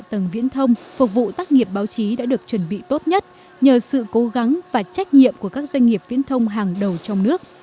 tầng viễn thông phục vụ tác nghiệp báo chí đã được chuẩn bị tốt nhất nhờ sự cố gắng và trách nhiệm của các doanh nghiệp viễn thông hàng đầu trong nước